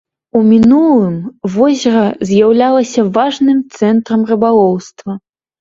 У мінулым возера з'яўлялася важным цэнтрам рыбалоўства.